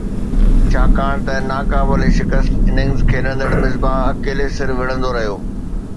ڇاڪاڻ ته ناقابل شڪست اننگز کيڏندڙ مصباح اڪيلي سر وڙهندو رهيو